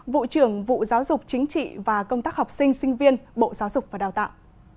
vụ trưởng vụ giáo dục chính trị và công tác học sinh sinh viên bộ giáo dục và đào tạo